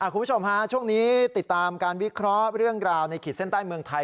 คุณผู้ชมฮะช่วงนี้ติดตามการวิเคราะห์เรื่องราวในขีดเส้นใต้เมืองไทย